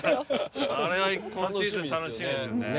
これは今シーズン楽しみですよね